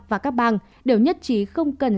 và các bang đều nhất trí không cần